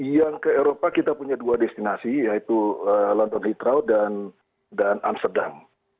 yang ke eropa kita punya dua destinasi yaitu lonton hitro dan amsterdam